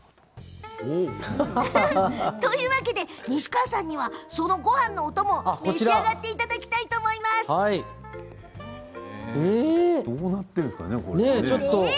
西川さんにはそのごはんのお供を召し上がっていただきたいとどうなっているんですかね。